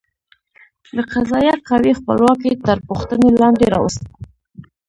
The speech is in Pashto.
د قضایه قوې خپلواکي تر پوښتنې لاندې راوسته.